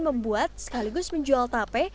membuat sekaligus menjual tape